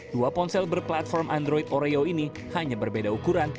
dua ponsel berplatform android oreo ini hanya berbeda ukuran